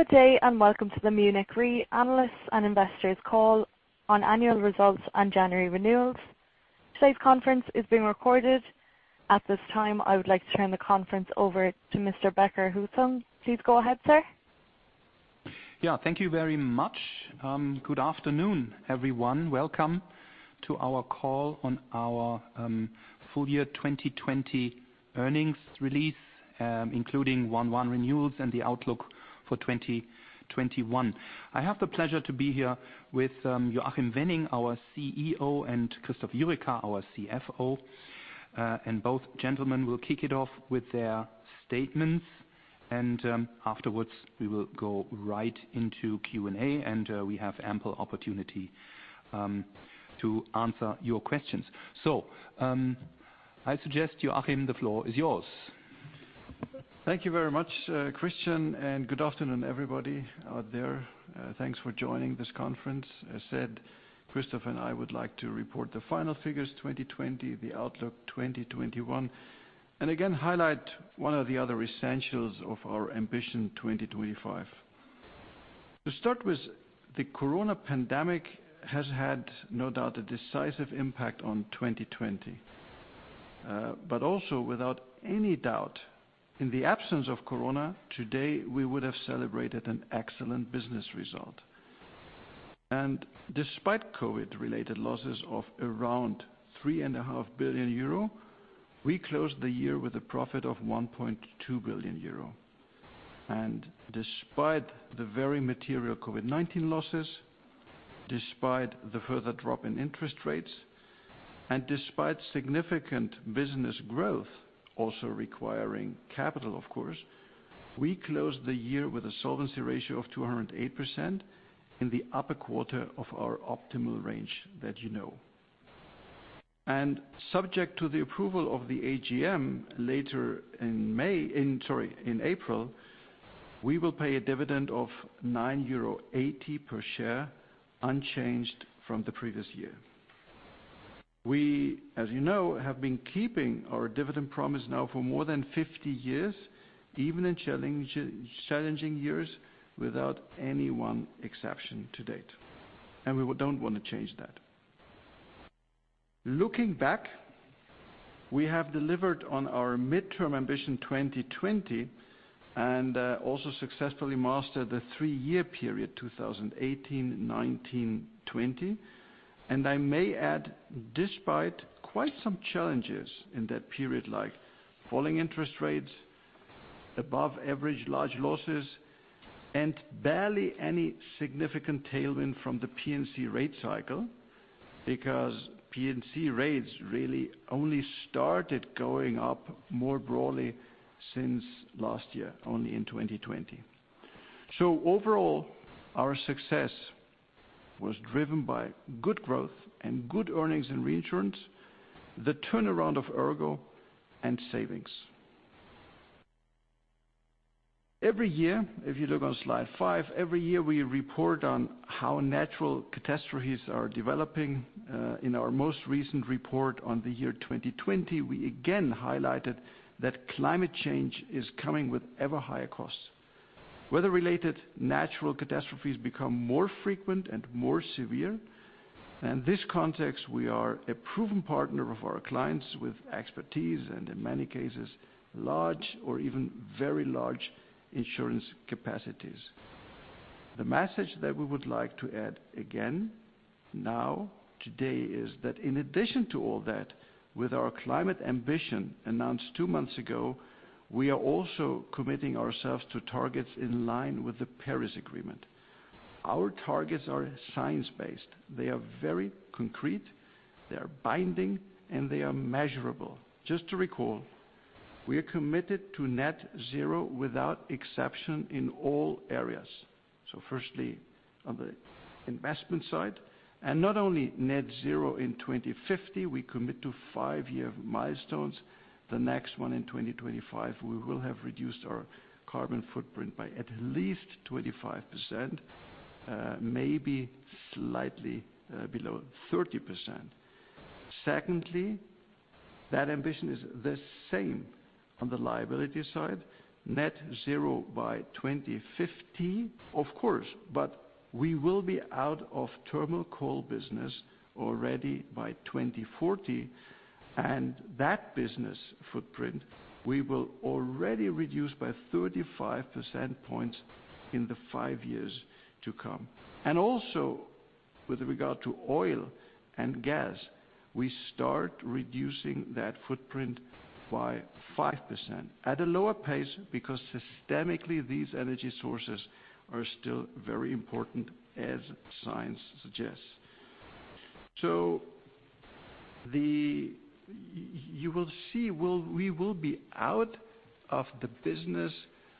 Good day, welcome to the Munich Re analysts and investors call on annual results and January renewals. Today's conference is being recorded. At this time, I would like to turn the conference over to Mr. Becker-Hussong. Please go ahead, sir. Yeah, thank you very much. Good afternoon, everyone. Welcome to our call on our full year 2020 earnings release, including 1/1 renewals and the outlook for 2021. I have the pleasure to be here with Joachim Wenning, our CEO, and Christoph Jurecka, our CFO. Both gentlemen will kick it off with their statements. Afterwards, we will go right into Q&A, and we have ample opportunity to answer your questions. I suggest, Joachim, the floor is yours. Thank you very much, Christian. Good afternoon everybody out there. Thanks for joining this conference. As said, Christoph and I would like to report the final figures 2020, the outlook 2021, and again, highlight one or the other essentials of our Ambition, 2025. To start with, the corona pandemic has had, no doubt, a decisive impact on 2020. Also, without any doubt, in the absence of corona, today, we would have celebrated an excellent business result. Despite COVID-related losses of around 3.5 billion euro, we closed the year with a profit of 1.2 billion euro. Despite the very material COVID-19 losses, despite the further drop in interest rates, and despite significant business growth also requiring capital, of course, we closed the year with a solvency ratio of 208% in the upper quarter of our optimal range that you know. Subject to the approval of the AGM later in April, we will pay a dividend of 9.80 euro per share, unchanged from the previous year. We, as you know, have been keeping our dividend promise now for more than 50 years, even in challenging years, without any one exception to date. We don't want to change that. Looking back, we have delivered on our midterm Ambition 2020, and also successfully mastered the three-year period, 2018, 2019, 2020. I may add, despite quite some challenges in that period, like falling interest rates, above average large losses, and barely any significant tailwind from the P&C rate cycle, because P&C rates really only started going up more broadly since last year, only in 2020. Overall, our success was driven by good growth and good earnings and reinsurance, the turnaround of ERGO, and savings. Every year, if you look on slide five, every year we report on how natural catastrophes are developing. In our most recent report on the year 2020, we again highlighted that climate change is coming with ever higher costs. Weather-related natural catastrophes become more frequent and more severe. In this context, we are a proven partner of our clients with expertise and, in many cases, large or even very large insurance capacities. The message that we would like to add again now, today, is that in addition to all that, with our climate ambition announced two months ago, we are also committing ourselves to targets in line with the Paris Agreement. Our targets are science-based. They are very concrete, they are binding, and they are measurable. Just to recall, we are committed to net zero without exception in all areas. Firstly, on the investment side. Not only net zero in 2050, we commit to five-year milestones. The next one in 2025, we will have reduced our carbon footprint by at least 25%, maybe slightly below 30%. Secondly, that ambition is the same on the liability side, net zero by 2050. Of course, but we will be out of thermal coal business already by 2040, and that business footprint we will already reduce by 35% points in the five years to come. Also, with regard to oil and gas, we start reducing that footprint by 5%. At a lower pace, because systemically, these energy sources are still very important as science suggests. You will see, we will be out of the business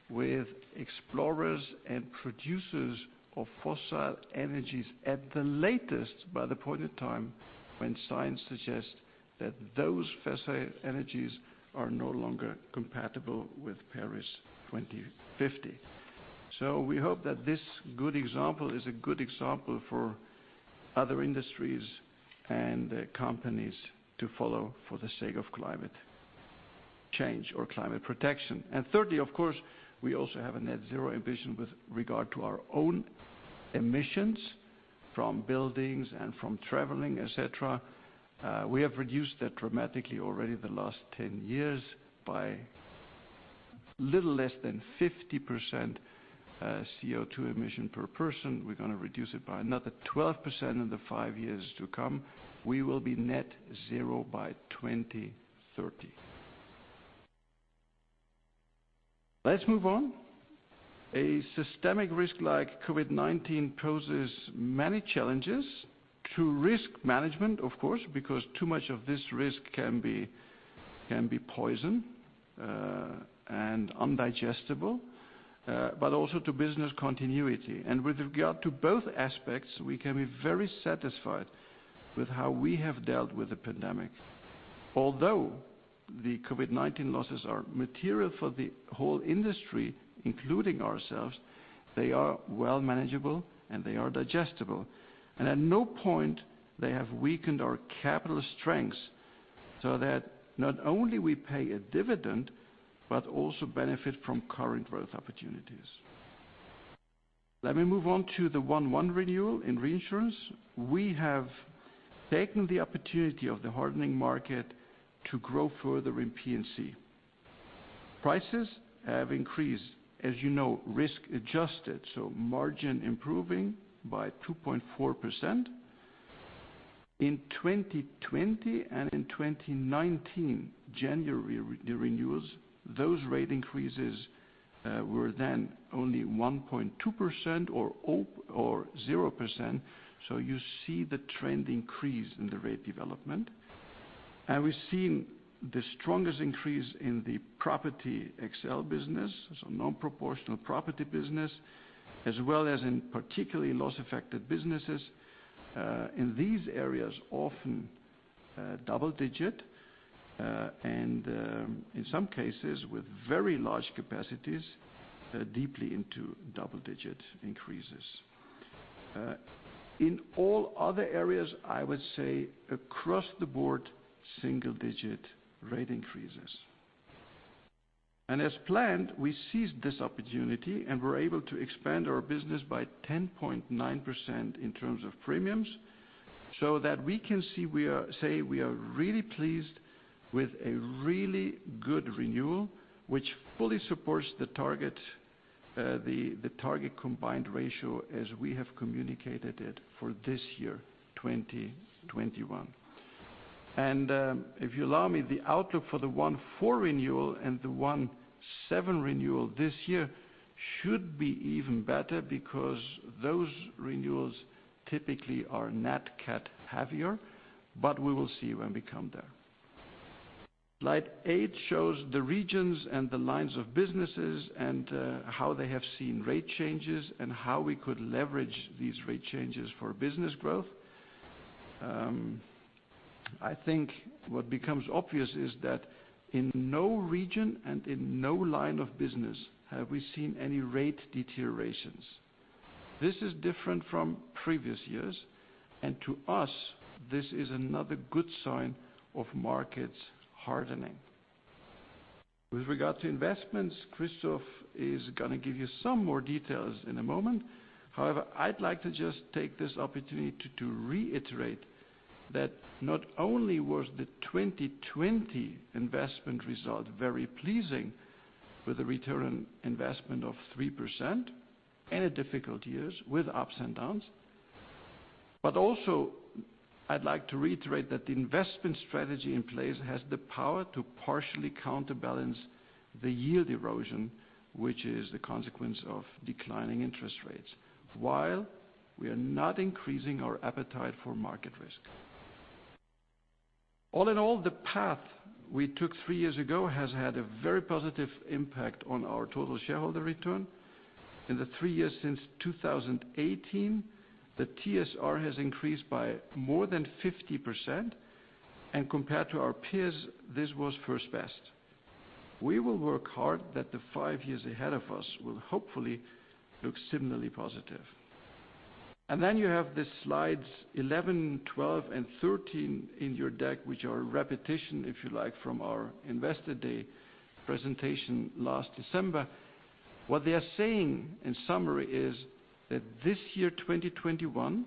with explorers and producers of fossil energies at the latest by the point in time when science suggests that those fossil energies are no longer compatible with Paris 2050. We hope that this good example is a good example for other industries and companies to follow for the sake of climate change or climate protection. Thirdly, of course, we also have a net zero ambition with regard to our own emissions from buildings and from traveling, et cetera. We have reduced that dramatically already the last 10 years by little less than 50% CO2 emission per person. We're going to reduce it by another 12% in the five years to come. We will be net zero by 2030. Let's move on. A systemic risk like COVID-19 poses many challenges to risk management, of course, because too much of this risk can be poison and undigestible, but also to business continuity. With regard to both aspects, we can be very satisfied with how we have dealt with the pandemic. Although the COVID-19 losses are material for the whole industry, including ourselves, they are well manageable, and they are digestible. At no point they have weakened our capital strengths, so that not only we pay a dividend, but also benefit from current growth opportunities. Let me move on to the 1/1 renewal in reinsurance. We have taken the opportunity of the hardening market to grow further in P&C. Prices have increased, as you know, risk adjusted, so margin improving by 2.4%. In 2020 and in 2019, January renewals, those rate increases were then only 1.2% or 0%. You see the trend increase in the rate development. We've seen the strongest increase in the Property XL business, so non-proportional Property business, as well as in particularly loss-affected businesses. In these areas, often double-digit, and in some cases with very large capacities, deeply into double-digit increases. In all other areas, I would say across the board, single-digit rate increases. As planned, we seized this opportunity and were able to expand our business by 10.9% in terms of premiums, so that we can say we are really pleased with a really good renewal, which fully supports the target combined ratio as we have communicated it for this year, 2021. If you allow me, the outlook for the 1/4 renewal and the 1/7 renewal this year should be even better because those renewals typically are Nat Cat heavier. We will see when we come there. Slide eight shows the regions and the lines of businesses and how they have seen rate changes and how we could leverage these rate changes for business growth. I think what becomes obvious is that in no region and in no line of business have we seen any rate deteriorations. This is different from previous years, and to us, this is another good sign of markets hardening. With regard to investments, Christoph is going to give you some more details in a moment. However, I'd like to just take this opportunity to reiterate that not only was the 2020 investment result very pleasing with a return on investment of 3% and in difficult years with ups and downs. Also, I'd like to reiterate that the investment strategy in place has the power to partially counterbalance the yield erosion, which is the consequence of declining interest rates, while we are not increasing our appetite for market risk. All in all, the path we took three years ago has had a very positive impact on our total shareholder return. In the three years since 2018, the TSR has increased by more than 50%, and compared to our peers, this was first best. We will work hard that the five years ahead of us will hopefully look similarly positive. Then you have the slides 11, 12, and 13 in your deck, which are a repetition, if you like, from our Investor Day presentation last December. What they are saying, in summary, is that this year, 2021,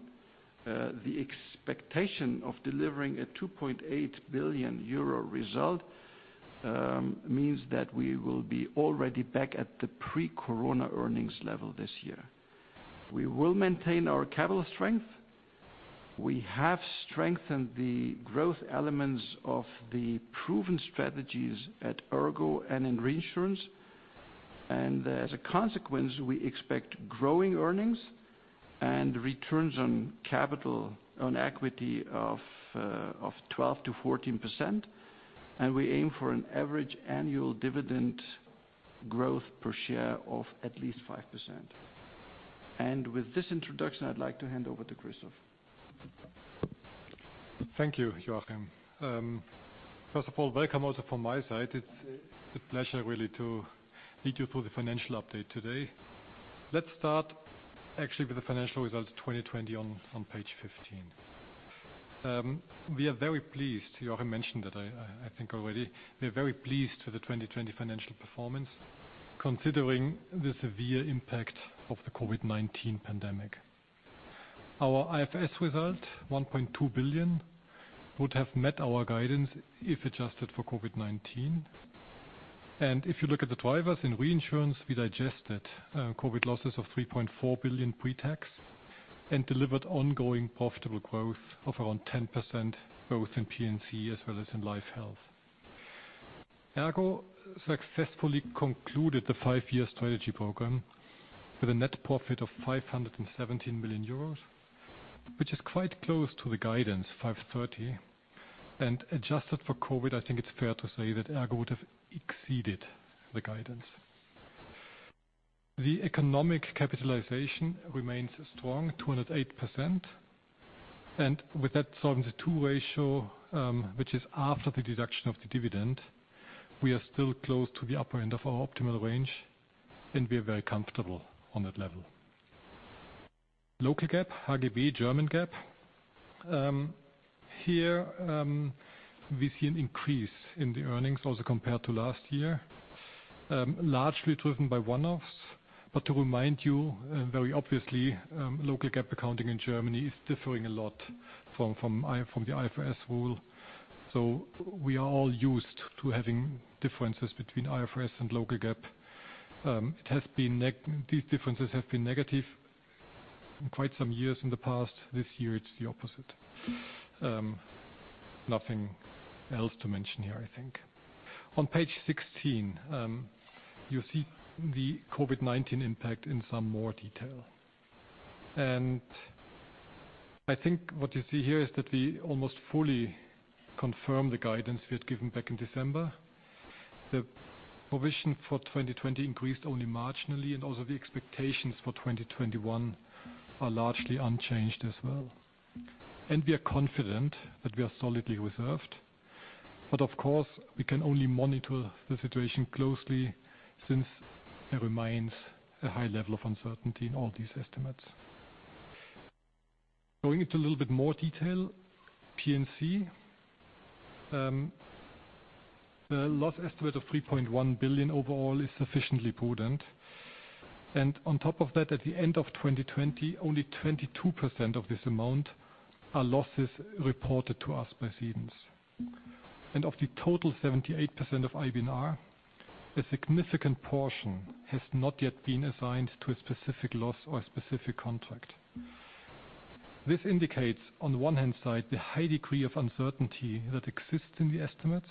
the expectation of delivering a 2.8 billion euro result means that we will be already back at the pre-corona earnings level this year. We will maintain our capital strength. We have strengthened the growth elements of the proven strategies at ERGO and in reinsurance. As a consequence, we expect growing earnings and returns on capital on equity of 12%-14%, and we aim for an average annual dividend growth per share of at least 5%. With this introduction, I'd like to hand over to Christoph Thank you, Joachim. First of all, welcome also from my side. It is a pleasure really to lead you through the financial update today. Let us start actually with the financial results 2020 on page 15. We are very pleased, Joachim mentioned it, I think already, we are very pleased with the 2020 financial performance considering the severe impact of the COVID-19 pandemic. Our IFRS result, 1.2 billion, would have met our guidance if adjusted for COVID-19. If you look at the drivers in reinsurance, we digested COVID losses of 3.4 billion pre-tax, and delivered ongoing profitable growth of around 10%, both in P&C as well as Life and Health. ERGO successfully concluded the five-year strategy program with a net profit of 517 million euros, which is quite close to the guidance, 530. Adjusted for COVID, I think it is fair to say that ERGO would have exceeded the guidance. The economic capitalization remains strong, 208%. With that Solvency II ratio, which is after the deduction of the dividend, we are still close to the upper end of our optimal range, and we are very comfortable on that level. Local GAAP, HGB, German GAAP. Here, we see an increase in the earnings also compared to last year, largely driven by one-offs. To remind you, very obviously, local GAAP accounting in Germany is differing a lot from the IFRS rule. We are all used to having differences between IFRS and local GAAP. These differences have been negative in quite some years in the past. This year it's the opposite. Nothing else to mention here, I think. On page 16, you see the COVID-19 impact in some more detail. I think what you see here is that we almost fully confirm the guidance we had given back in December. The provision for 2020 increased only marginally, and also the expectations for 2021 are largely unchanged as well. We are confident that we are solidly reserved. Of course, we can only monitor the situation closely since there remains a high level of uncertainty in all these estimates. Going into a little bit more detail, P&C. The loss estimate of 3.1 billion overall is sufficiently prudent. On top of that, at the end of 2020, only 22% of this amount are losses reported to us by cedents. Of the total 78% of IBNR, a significant portion has not yet been assigned to a specific loss or a specific contract. This indicates, on one hand side, the high degree of uncertainty that exists in the estimates,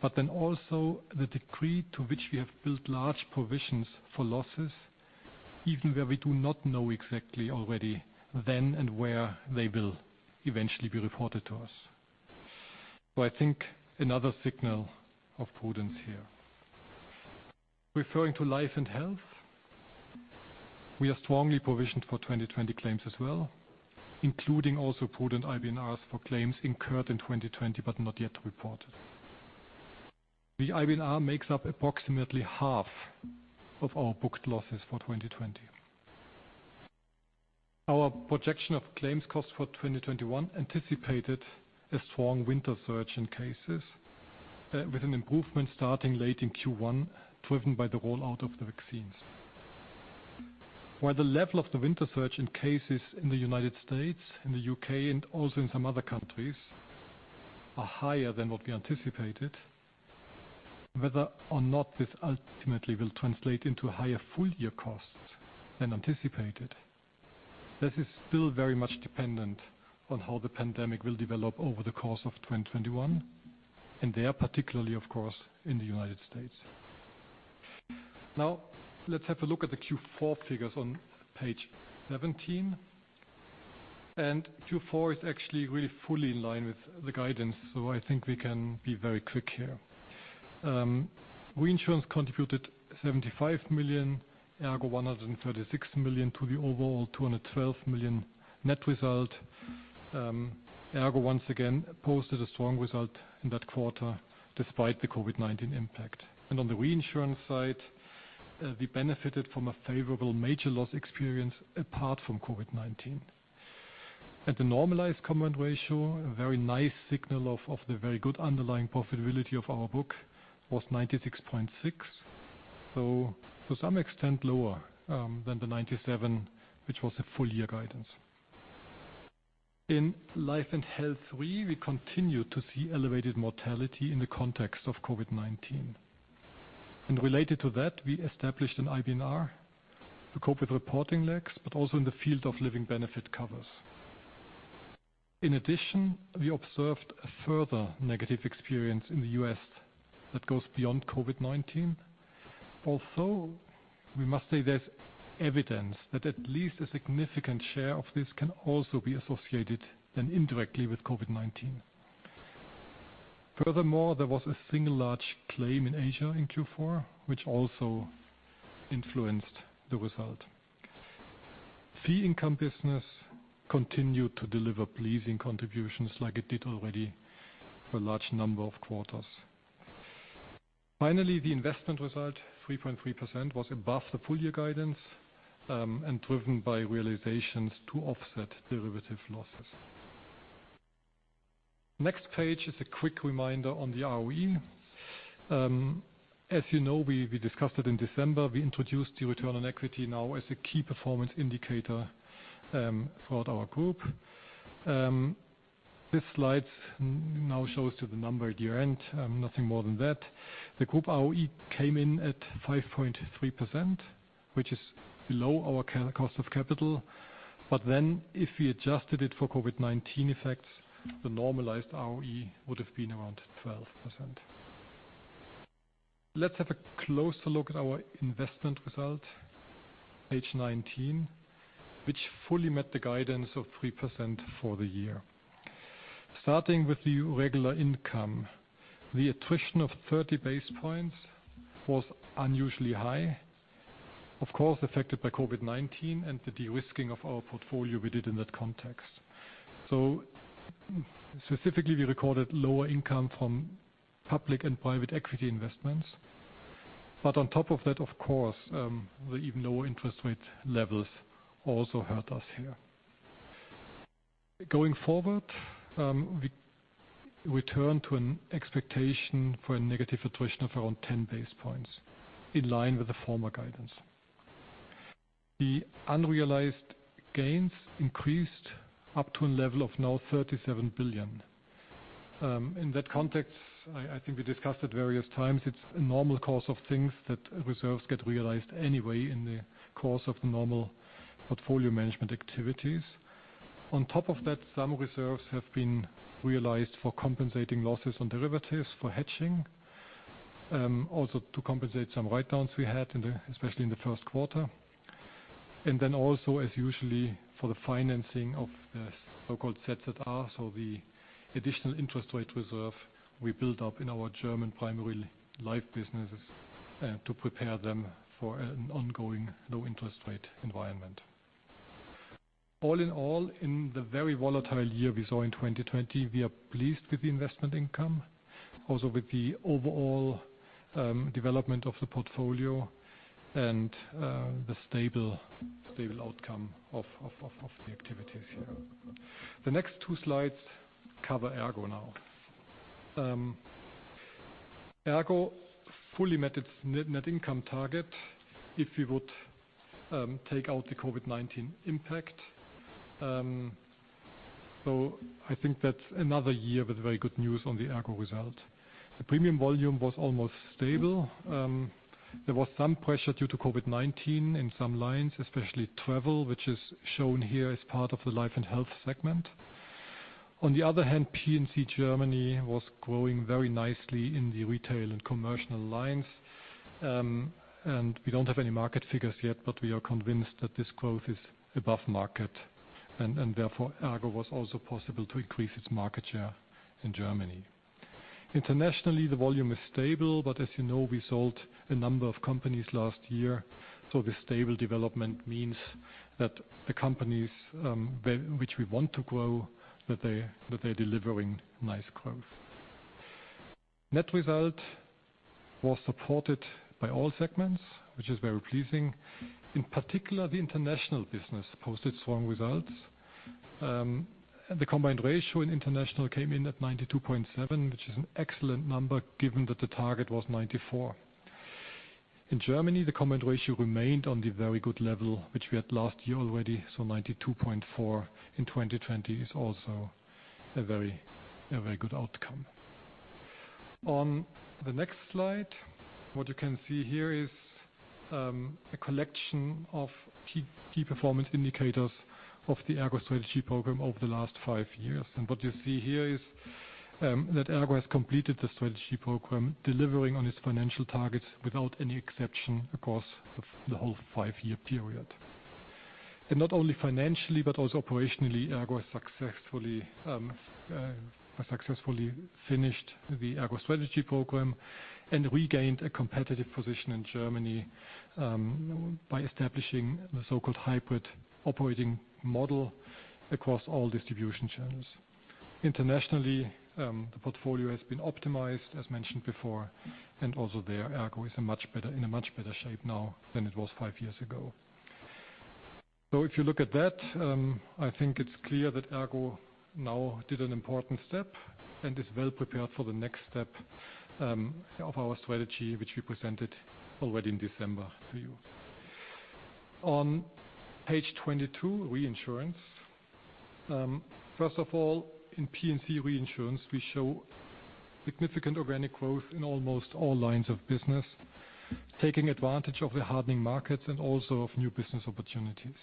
but then also the degree to which we have built large provisions for losses, even where we do not know exactly already then and where they will eventually be reported to us. I think another signal of prudence here. Referring to Life and Health, we are strongly provisioned for 2020 claims as well, including also prudent IBNRs for claims incurred in 2020 but not yet reported. The IBNR makes up approximately half of our booked losses for 2020. Our projection of claims costs for 2021 anticipated a strong winter surge in cases, with an improvement starting late in Q1 driven by the rollout of the vaccines. While the level of the winter surge in cases in the United States, in the U.K., and also in some other countries, are higher than what we anticipated, whether or not this ultimately will translate into higher full-year costs than anticipated, this is still very much dependent on how the pandemic will develop over the course of 2021, and there particularly, of course, in the United States. Let's have a look at the Q4 figures on page 17. Q4 is actually really fully in line with the guidance, so I think we can be very quick here. Reinsurance contributed 75 million, ERGO 136 million to the overall 212 million net result. ERGO, once again, posted a strong result in that quarter despite the COVID-19 impact. On the reinsurance side, we benefited from a favorable major loss experience apart from COVID-19. At the normalized combined ratio, a very nice signal of the very good underlying profitability of our book was 96.6%. To some extent, lower than the 97%, which was a full-year guidance. In Life and Health Re, we continue to see elevated mortality in the context of COVID-19. Related to that, we established an IBNR to cope with reporting lags, but also in the field of living benefit covers. In addition, we observed a further negative experience in the U.S. that goes beyond COVID-19. We must say there's evidence that at least a significant share of this can also be associated then indirectly with COVID-19. There was a single large claim in Asia in Q4, which also influenced the result. Fee income business continued to deliver pleasing contributions like it did already for a large number of quarters. The investment result, 3.3%, was above the full-year guidance and driven by realizations to offset derivative losses. Next page is a quick reminder on the ROE. As you know, we discussed it in December. We introduced the return on equity now as a key performance indicator throughout our group. This slide now shows the number at year-end, nothing more than that. The group ROE came in at 5.3%, which is below our current cost of capital. If we adjusted it for COVID-19 effects, the normalized ROE would have been around 12%. Let's have a closer look at our investment result, page 19, which fully met the guidance of 3% for the year. Starting with the regular income. The attrition of 30 basis points was unusually high. Of course, affected by COVID-19 and the de-risking of our portfolio we did in that context. Specifically, we recorded lower income from public and private equity investments. On top of that, of course, the even lower interest rate levels also hurt us here. Going forward, we turn to an expectation for a negative attrition of around 10 basis points, in line with the former guidance. The unrealized gains increased up to a level of now 37 billion. In that context, I think we discussed at various times, it's a normal course of things that reserves get realized anyway in the course of the normal portfolio management activities. On top of that, some reserves have been realized for compensating losses on derivatives for hedging. Also, to compensate some write-downs we had, especially in the first quarter. Also as usual for the financing of the so-called ZZR, so the additional interest rate reserve we build up in our German primary life businesses to prepare them for an ongoing low interest rate environment. All in all, in the very volatile year we saw in 2020, we are pleased with the investment income, also with the overall development of the portfolio and the stable outcome of the activities here. The next two slides cover ERGO now. ERGO fully met its net income target if we would take out the COVID-19 impact. I think that's another year with very good news on the ERGO result. The premium volume was almost stable. There was some pressure due to COVID-19 in some lines, especially travel, which is shown here as part of the Life and Health segment. On the other hand, P&C Germany was growing very nicely in the retail and commercial lines. We don't have any market figures yet, but we are convinced that this growth is above market, and therefore, ERGO was also possible to increase its market share in Germany. Internationally, the volume is stable, but as you know, we sold a number of companies last year. The stable development means that the companies which we want to grow, that they're delivering nice growth. Net result was supported by all segments, which is very pleasing. In particular, the international business posted strong results. The combined ratio in international came in at 92.7%, which is an excellent number given that the target was 94%. In Germany, the combined ratio remained on the very good level, which we had last year already. 92.4% in 2020 is also a very good outcome. On the next slide, what you can see here is a collection of key performance indicators of the ERGO Strategy Program over the last five years. What you see here is that ERGO has completed the Strategy Program, delivering on its financial targets without any exception across the whole five-year period. Not only financially, but also operationally, ERGO has successfully finished the ERGO Strategy Program and regained a competitive position in Germany by establishing the so-called hybrid operating model across all distribution channels. Internationally, the portfolio has been optimized, as mentioned before, and also there, ERGO is in a much better shape now than it was five years ago. If you look at that, I think it's clear that ERGO now did an important step and is well prepared for the next step of our strategy, which we presented already in December to you. On page 22, reinsurance. First of all, in P&C reinsurance, we show significant organic growth in almost all lines of business, taking advantage of the hardening markets and also of new business opportunities.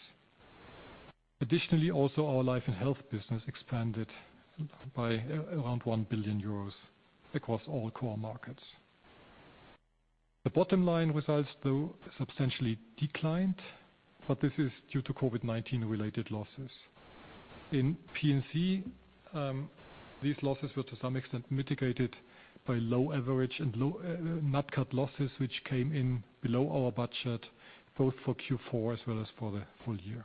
Also, our Life and Health business expanded by around 1 billion euros across all core markets. The bottom line results though, substantially declined, this is due to COVID-19 related losses. In P&C, these losses were to some extent mitigated by low average and low Nat Cat losses, which came in below our budget, both for Q4 as well as for the full year.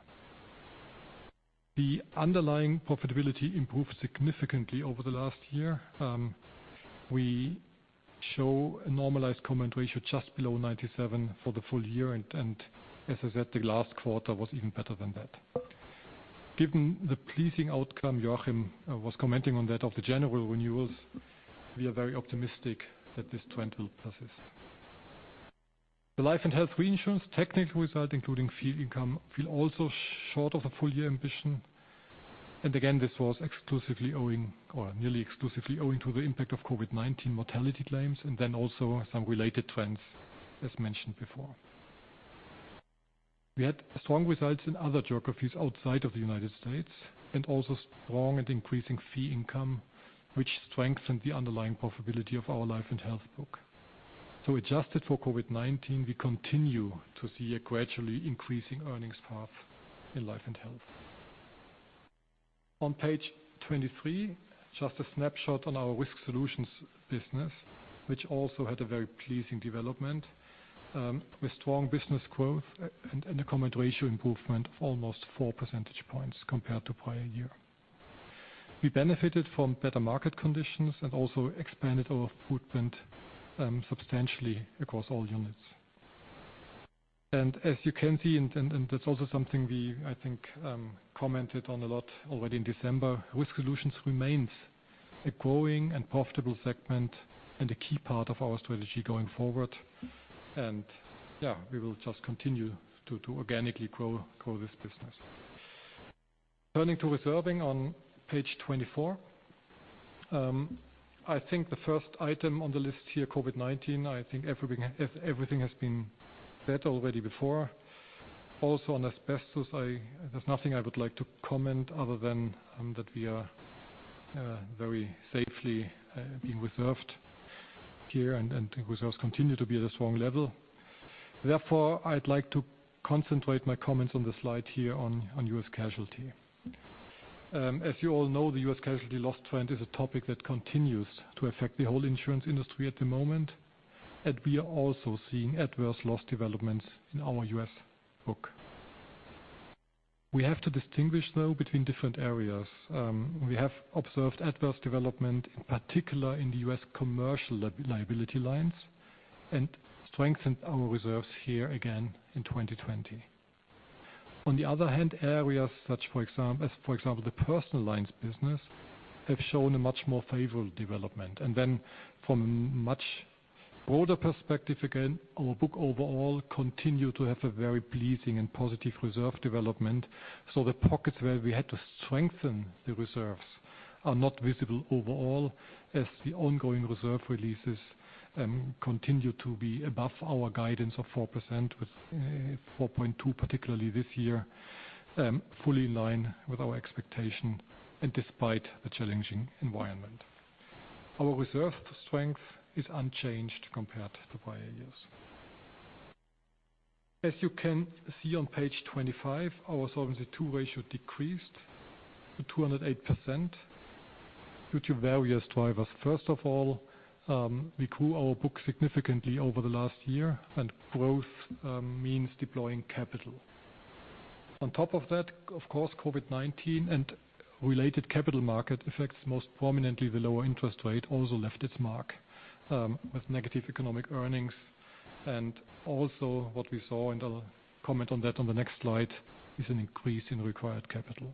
The underlying profitability improved significantly over the last year. We show a normalized combined ratio just below 97% for the full year, as I said, the last quarter was even better than that. Given the pleasing outcome, Joachim was commenting on that of the January renewals, we are very optimistic that this trend will persist. The Life and Health reinsurance technical result, including fee income, fell also short of a full year ambition. Again, this was exclusively owing, or nearly exclusively owing to the impact of COVID-19 mortality claims, then also some related trends, as mentioned before. We had strong results in other geographies outside of the U.S., also strong at increasing fee income, which strengthened the underlying profitability of our life and health book. Adjusted for COVID-19, we continue to see a gradually increasing earnings path in Life and Health. On page 23, just a snapshot on our risk solutions business, which also had a very pleasing development, with strong business growth and a combined ratio improvement of almost four percentage points compared to prior year. We benefited from better market conditions and also expanded our footprint, substantially across all units. As you can see, and that's also something we, I think, commented on a lot already in December. Risk solutions remains a growing and profitable segment and a key part of our strategy going forward. Yeah, we will just continue to organically grow this business. Turning to reserving on page 24. I think the first item on the list here, COVID-19, I think everything has been said already before. Also on asbestos, there's nothing I would like to comment other than that we are very safely being reserved here, and reserves continue to be at a strong level. Therefore, I'd like to concentrate my comments on the slide here on U.S. casualty. As you all know, the U.S. casualty loss trend is a topic that continues to affect the whole insurance industry at the moment, and we are also seeing adverse loss developments in our U.S. book. We have to distinguish, though, between different areas. We have observed adverse development, in particular in the U.S. commercial liability lines, and strengthened our reserves here again in 2020. On the other hand, areas such, for example, the personal lines business, have shown a much more favorable development. From much broader perspective, again, our book overall continued to have a very pleasing and positive reserve development. The pockets where we had to strengthen the reserves are not visible overall, as the ongoing reserve releases continue to be above our guidance of 4% with 4.2%, particularly this year, fully in line with our expectation and despite the challenging environment. Our reserve strength is unchanged compared to prior years. As you can see on page 25, our Solvency II ratio decreased to 208% due to various drivers. First of all, we grew our book significantly over the last year, growth means deploying capital. On top of that, of course, COVID-19 and related capital market effects most prominently the lower interest rate also left its mark, with negative economic earnings. Also what we saw, and I'll comment on that on the next slide, is an increase in required capital.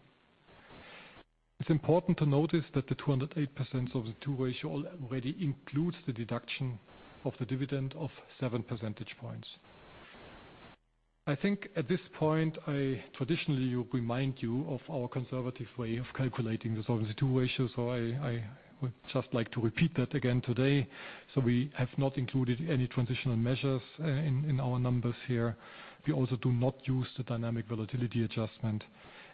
It's important to notice that the 208% Solvency II ratio already includes the deduction of the dividend of 7 percentage points. I think at this point, I traditionally remind you of our conservative way of calculating the Solvency II ratio. I would just like to repeat that again today. We have not included any transitional measures in our numbers here. We also do not use the dynamic volatility adjustment,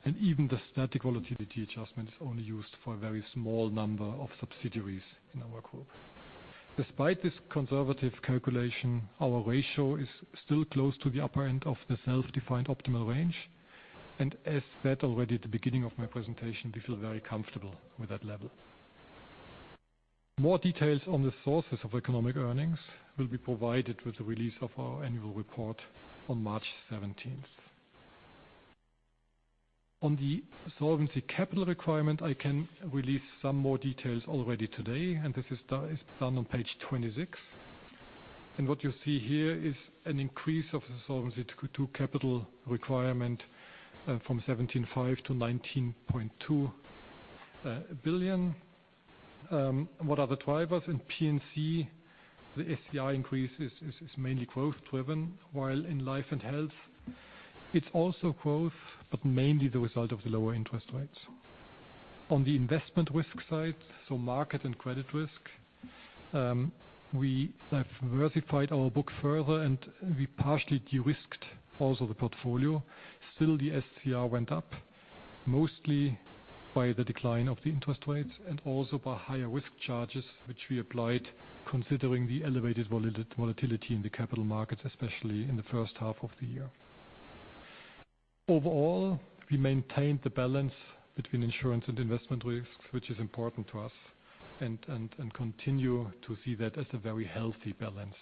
and even the static volatility adjustment is only used for a very small number of subsidiaries in our group. Despite this conservative calculation, our ratio is still close to the upper end of the self-defined optimal range. As said already at the beginning of my presentation, we feel very comfortable with that level. More details on the sources of economic earnings will be provided with the release of our annual report on March 17th. On the solvency capital requirement, I can release some more details already today, this is done on page 26. What you see here is an increase of the Solvency II capital requirement from 17.5 to 19.2 billion. What are the drivers? In P&C, the SCR increase is mainly growth-driven, while in Life and Health, it's also growth, but mainly the result of the lower interest rates. On the investment risk side, so market and credit risk, we have diversified our book further, and we partially de-risked also the portfolio. Still, the SCR went up. Mostly by the decline of the interest rates and also by higher risk charges, which we applied considering the elevated volatility in the capital markets, especially in the first half of the year. Overall, we maintained the balance between insurance and investment risks, which is important to us, and continue to see that as a very healthy balance,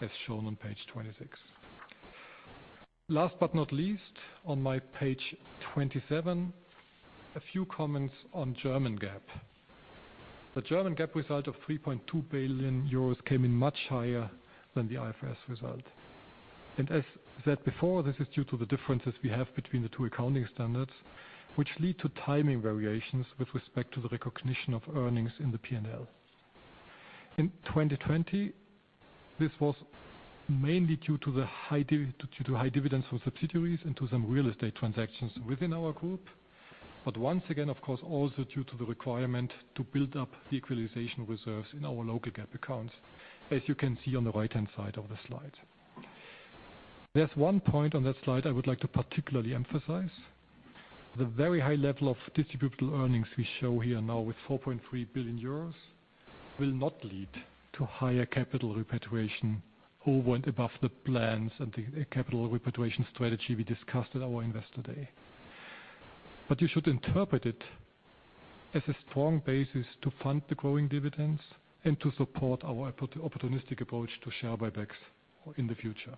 as shown on page 26. Last but not least, on my page 27, a few comments on German GAAP. The German GAAP result of 3.2 billion euros came in much higher than the IFRS result. As said before, this is due to the differences we have between the two accounting standards, which lead to timing variations with respect to the recognition of earnings in the P&L. In 2020, this was mainly due to high dividends from subsidiaries into some real estate transactions within our group. Once again, of course, also due to the requirement to build up the equalization reserves in our German GAAP accounts, as you can see on the right-hand side of the slide. There's one point on that slide I would like to particularly emphasize. The very high level of distributable earnings we show here now with 4.3 billion euros will not lead to higher capital repatriation over and above the plans and the capital repatriation strategy we discussed at our Investor Day. You should interpret it as a strong basis to fund the growing dividends and to support our opportunistic approach to share buybacks in the future.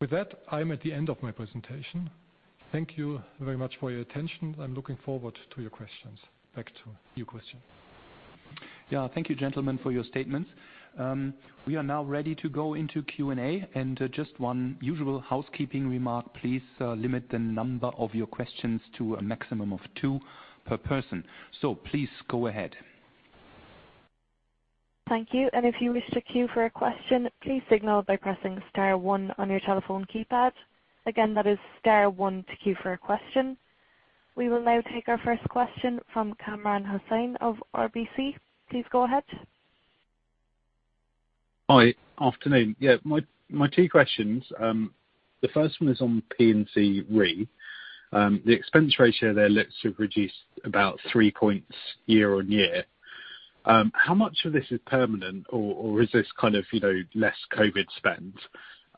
With that, I'm at the end of my presentation. Thank you very much for your attention. I'm looking forward to your questions. Back to you, Christian. Yeah. Thank you, gentlemen, for your statements. We are now ready to go into Q&A. Just one usual housekeeping remark, please limit the number of your questions to a maximum of two per person. Please, go ahead. Thank you. And if you wish to queue for a question, please signal by pressing star one on your telephone keypad. Again, that is star one to queue for a question. We will now take our first question from Kamran Hossain of RBC. Please go ahead. Hi. Afternoon. Yeah, my two questions. The first one is on P&C Re. The expense ratio there looks to have reduced about 3 points year-on-year. How much of this is permanent or is this less COVID spend?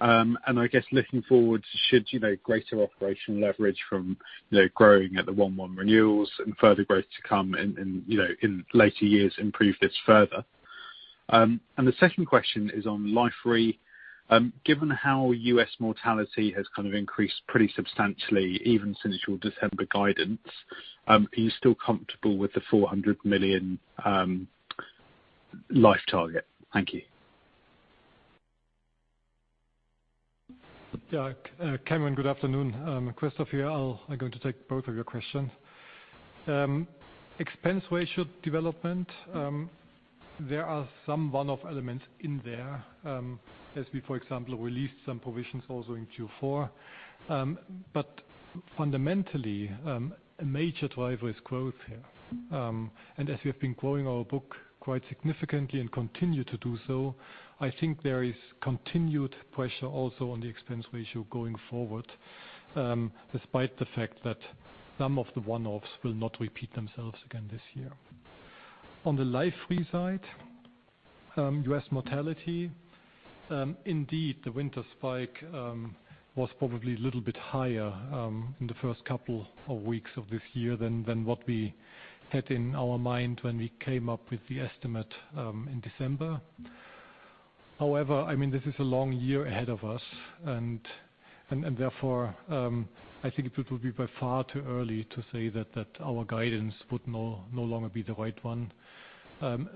I guess looking forward, should greater operational leverage from growing at the 1/1 renewals and further growth to come in later years improve this further? The second question is on Life Re. Given how U.S. mortality has increased pretty substantially even since your December guidance, are you still comfortable with the 400 million life target? Thank you. Kamran, good afternoon. Christoph here. I'm going to take both of your questions. Expense ratio development, there are some one-off elements in there. As we, for example, released some provisions also in Q4. Fundamentally, a major driver is growth here. As we have been growing our book quite significantly and continue to do so, I think there is continued pressure also on the expense ratio going forward, despite the fact that some of the one-offs will not repeat themselves again this year. On the Life and Health Re side, U.S. mortality. Indeed, the winter spike was probably a little bit higher in the first couple of weeks of this year than what we had in our mind when we came up with the estimate in December. However, this is a long year ahead of us, and therefore, I think it would be by far too early to say that our guidance would no longer be the right one.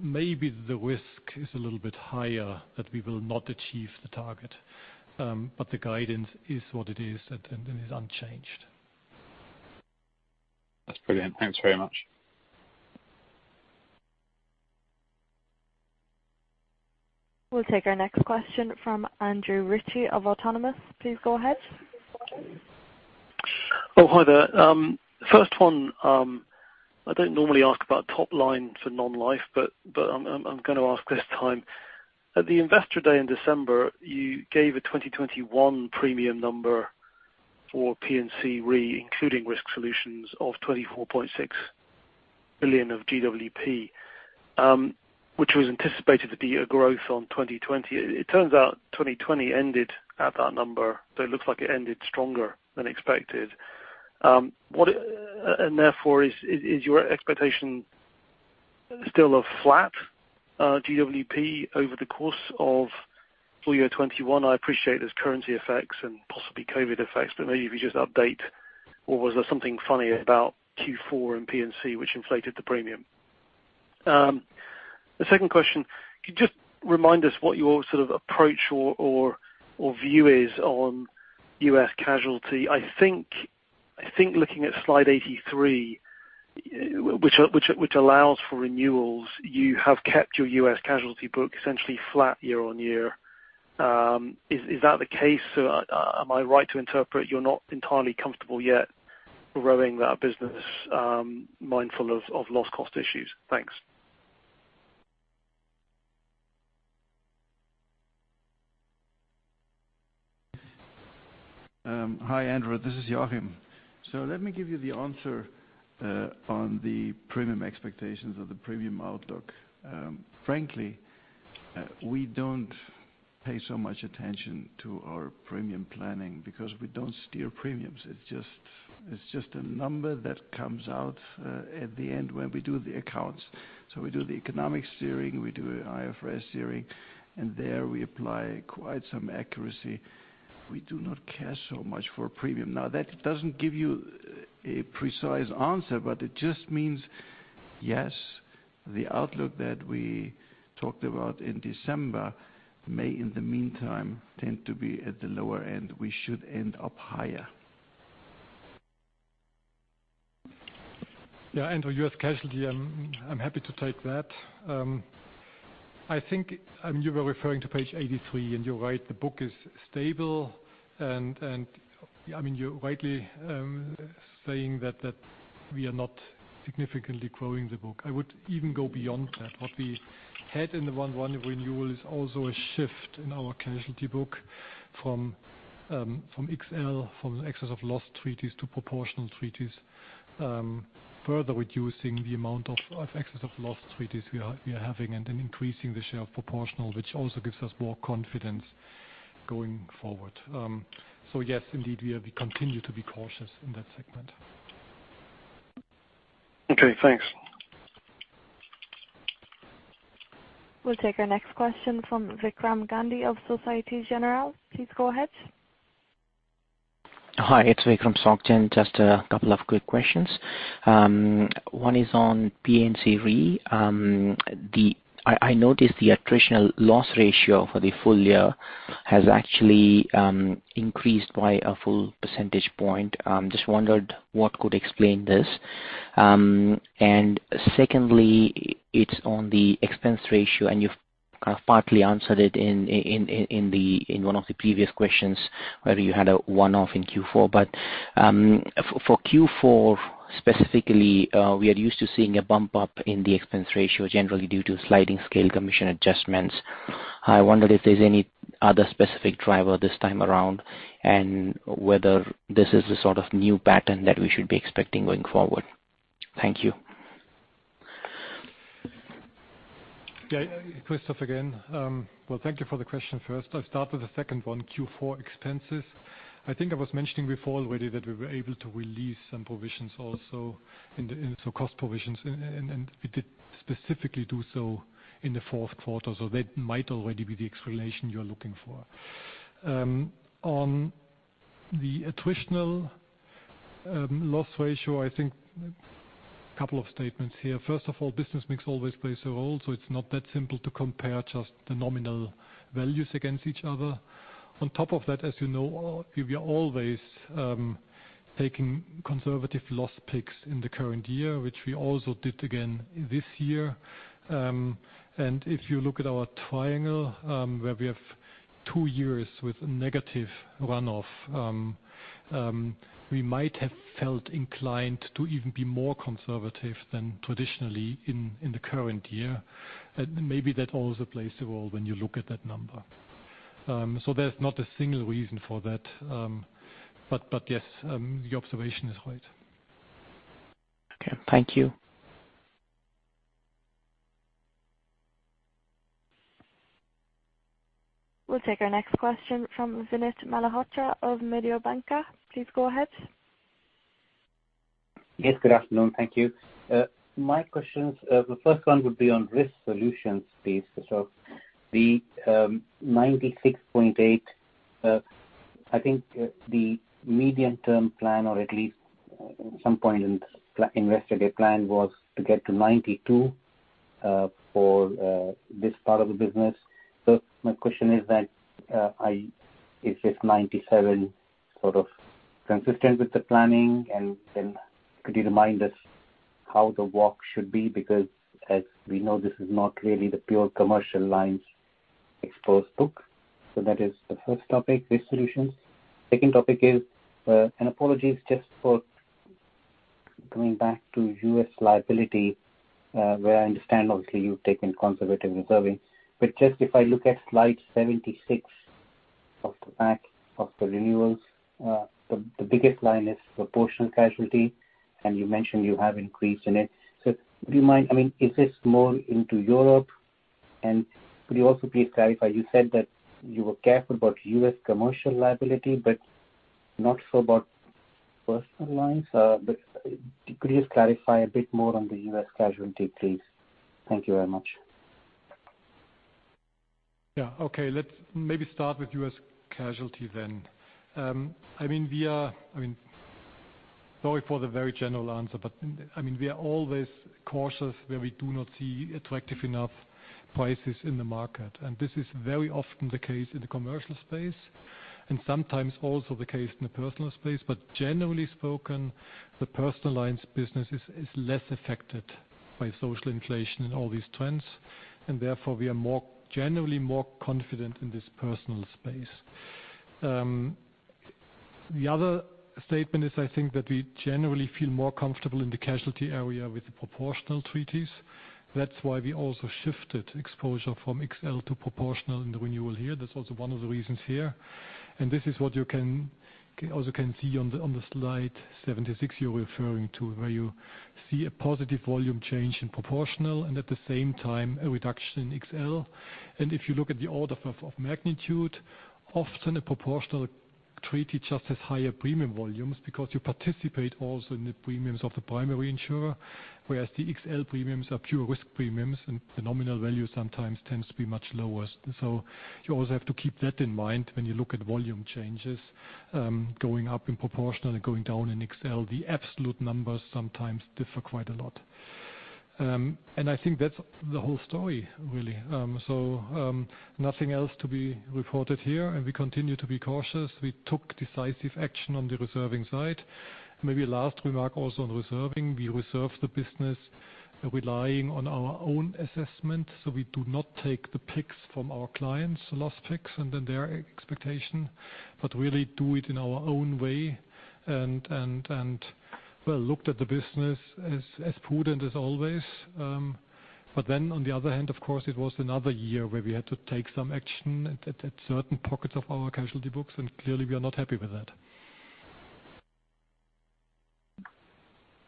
Maybe the risk is a little bit higher that we will not achieve the target. But the guidance is what it is, and it is unchanged. That's brilliant. Thanks very much. We'll take our next question from Andrew Ritchie of Autonomous. Please go ahead. Hi there. First one, I don't normally ask about top line for non-life, but I'm going to ask this time. At the Investor Day in December, you gave a 2021 premium number for P&C Re, including risk solutions of 24.6 billion of GWP, which was anticipated to be a growth on 2020. It turns out 2020 ended at that number, so it looks like it ended stronger than expected. Therefore, is your expectation still a flat GWP over the course of full year 2021? I appreciate there's currency effects and possibly COVID-19 effects, but maybe if you just update, or was there something funny about Q4 and P&C which inflated the premium? The second question, could you just remind us what your sort of approach or view is on U.S. casualty? I think looking at slide 83, which allows for renewals. You have kept your U.S. casualty book essentially flat year-on-year. Is that the case? Am I right to interpret you're not entirely comfortable yet growing that business, mindful of loss cost issues? Thanks. Hi, Andrew. This is Joachim. Let me give you the answer on the premium expectations of the premium outlook. Frankly, we don't pay so much attention to our premium planning because we don't steer premiums. It's just a number that comes out at the end when we do the accounts. We do the economic steering, we do IFRS steering, and there we apply quite some accuracy. We do not care so much for premium. That doesn't give you a precise answer, but it just means, yes, the outlook that we talked about in December may, in the meantime, tend to be at the lower end. We should end up higher. Yeah, Andrew, U.S. casualty, I'm happy to take that. I think you were referring to page 83, and you're right, the book is stable. You're rightly saying that we are not significantly growing the book. I would even go beyond that. What we had in the 1/1 renewal is also a shift in our casualty book from XL, from the excess of loss treaties, to proportional treaties. Further reducing the amount of excess of loss treaties we are having and then increasing the share of proportional, which also gives us more confidence going forward. Yes, indeed, we continue to be cautious in that segment. Okay, thanks. We'll take our next question from Vikram Gandhi of Société Générale. Please go ahead. Hi, it's Vikram Gandhi. Just a couple of quick questions. One is on P&C Re. I noticed the attritional loss ratio for the full year has actually increased by a full percentage point. Just wondered what could explain this. Secondly, it's on the expense ratio, and you've kind of partly answered it in one of the previous questions, whether you had a one-off in Q4. For Q4 specifically, we are used to seeing a bump up in the expense ratio, generally due to sliding scale commission adjustments. I wonder if there's any other specific driver this time around, and whether this is the sort of new pattern that we should be expecting going forward. Thank you. Yeah. Christoph again. Well, thank you for the question first. I'll start with the second one, Q4 expenses. I think I was mentioning before already that we were able to release some provisions also, so cost provisions. We did specifically do so in the fourth quarter. That might already be the explanation you're looking for. On the attritional loss ratio, I think a couple of statements here. First of all, business mix always plays a role. It's not that simple to compare just the nominal values against each other. On top of that, as you know, we are always taking conservative loss picks in the current year, which we also did again this year. If you look at our triangle, where we have two years with negative runoff, we might have felt inclined to even be more conservative than traditionally in the current year. Maybe that also plays a role when you look at that number. There's not a single reason for that. Yes, your observation is right. Okay. Thank you. We'll take our next question from Vinit Malhotra of Mediobanca. Please go ahead. Yes, good afternoon. Thank you. My questions, the first one would be on risk solutions, please. The 96.8%, I think the medium term plan, or at least at some point in yesterday plan, was to get to 92% for this part of the business. My question is that, is this 97% sort of consistent with the planning? Could you remind us how the walk should be? As we know, this is not really the pure commercial lines exposed book. That is the first topic, risk solutions. Second topic is, apologies just for going back to U.S. liability, where I understand obviously you've taken conservative reserving. Just if I look at slide 76 of the pack of the renewals, the biggest line is proportional casualty, and you mentioned you have increased in it. Do you mind, is this more into Europe? Could you also please clarify, you said that you were careful about U.S. commercial liability, but not sure about personal lines. Could you please clarify a bit more on the U.S. casualty, please? Thank you very much. Yeah. Okay. Let's maybe start with U.S. casualty then. Sorry for the very general answer, we are always cautious where we do not see attractive enough prices in the market. This is very often the case in the commercial space, and sometimes also the case in the personal space. Generally spoken, the personal lines business is less affected by social inflation and all these trends, and therefore, we are generally more confident in this personal space. The other statement is, I think that we generally feel more comfortable in the casualty area with the proportional treaties. That's why we also shifted exposure from XL to proportional in the renewal here. That's also one of the reasons here, and this is what you can also see on slide 76 you're referring to, where you see a positive volume change in proportional and at the same time, a reduction in XL. If you look at the order of magnitude, often a proportional treaty just has higher premium volumes because you participate also in the premiums of the primary insurer, whereas the XL premiums are pure risk premiums, and the nominal value sometimes tends to be much lower. You always have to keep that in mind when you look at volume changes, going up in proportional and going down in XL. The absolute numbers sometimes differ quite a lot. I think that's the whole story, really. Nothing else to be reported here, and we continue to be cautious. We took decisive action on the reserving side. Maybe last remark also on reserving. We reserve the business relying on our own assessment. We do not take the picks from our clients, the last picks, and then their expectation, but really do it in our own way and well, looked at the business as prudent as always. On the other hand, of course, it was another year where we had to take some action at certain pockets of our casualty books. Clearly, we are not happy with that.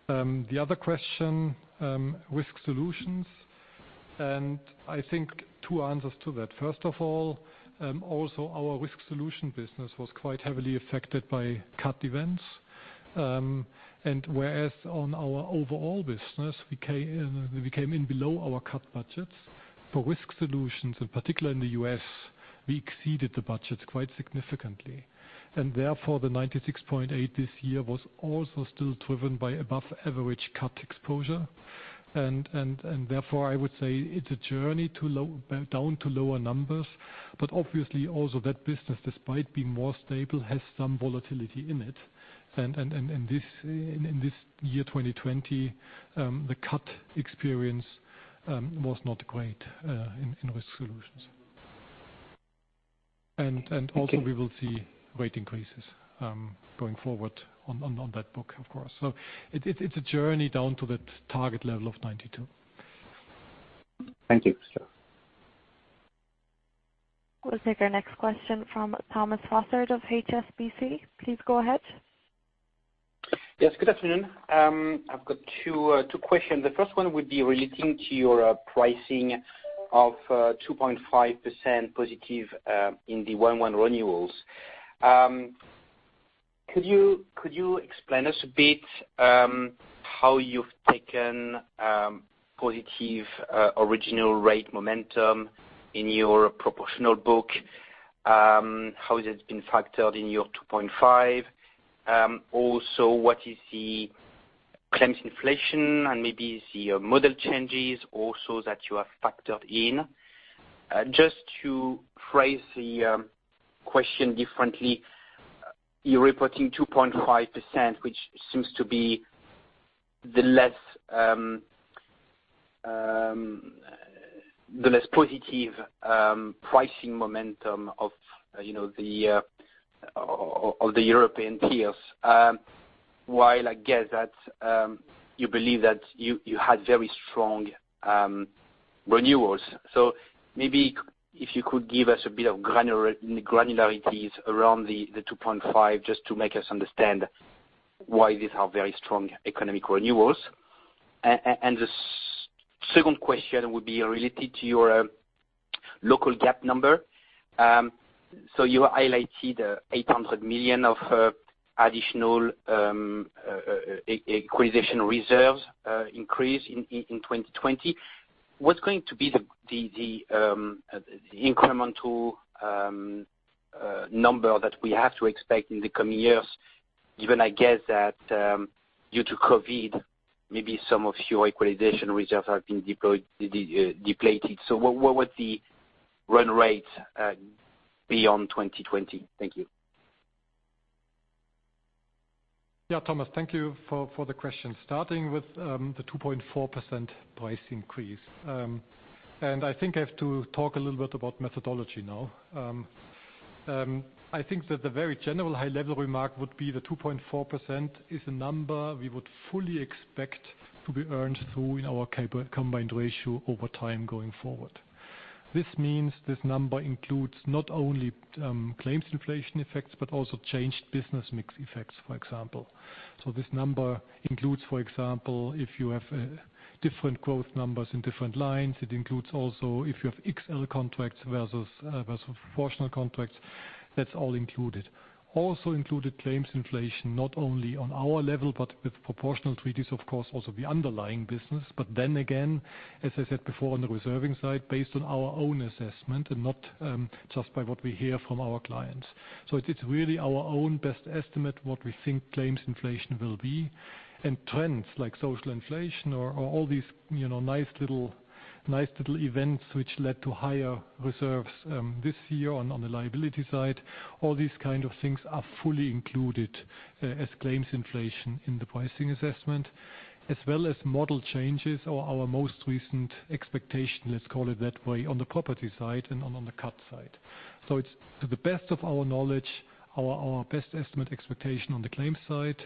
The other question, risk solutions. I think two answers to that. First of all, also our risk solution business was quite heavily affected by CAT events. Whereas on our overall business, we came in below our CAT budgets. For risk solutions, and particularly in the U.S., we exceeded the budget quite significantly. Therefore, the 96.8% this year was also still driven by above-average CAT exposure. Therefore, I would say it's a journey down to lower numbers. Obviously, also that business, despite being more stable, has some volatility in it. In this year 2020, the CAT experience was not great in risk solutions. Also, we will see rate increases, going forward on that book, of course. It's a journey down to that target level of 92%. Thank you. We'll take our next question from Thomas Fossard of HSBC. Please go ahead. Yes, good afternoon. I've got two questions. The first one would be relating to your pricing of 2.5% positive in the 1/1 renewals. Could you explain to us a bit how you've taken positive original rate momentum in your proportional book? How has it been factored in your 2.5%? What is the claims inflation and maybe the model changes also that you have factored in? To phrase the question differently, you're reporting 2.5%, which seems to be the less positive pricing momentum of the European peers. I guess that you believe that you had very strong renewals. Maybe if you could give us a bit of granularities around the 2.5%, just to make us understand why these are very strong economic renewals. The second question would be related to your local GAAP number. You highlighted 800 million of additional equalization reserves increase in 2020. What's going to be the incremental number that we have to expect in the coming years, given, I guess that due to COVID, maybe some of your equalization reserves have been depleted? What would the run rate be beyond 2020? Thank you. Yeah. Thomas, thank you for the question. Starting with the 2.4% price increase. I think I have to talk a little bit about methodology now. I think that the very general high-level remark would be the 2.4% is a number we would fully expect to be earned through in our combined ratio over time going forward. This means this number includes not only claims inflation effects, but also changed business mix effects, for example. This number includes, for example, if you have different growth numbers in different lines. It includes also if you have XL contracts versus proportional contracts. That's all included. Also included claims inflation, not only on our level, but with proportional treaties, of course, also the underlying business. Again, as I said before, on the reserving side, based on our own assessment and not just by what we hear from our clients. It's really our own best estimate what we think claims inflation will be. Trends like social inflation or all these nice little events which led to higher reserves this year on the liability side. All these kind of things are fully included as claims inflation in the pricing assessment as well as model changes or our most recent expectation, let's call it that way, on the property side and on the CAT side. It's to the best of our knowledge, our best estimate expectation on the claims side,